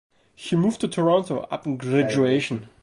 He moved to Toronto upon graduation.